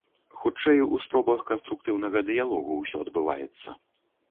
Хутчэй, у спробах канструктыўнага дыялогу ўсё адбываецца.